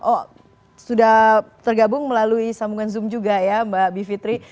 oh sudah tergabung melalui sambungan zoom juga ya mbak bivitri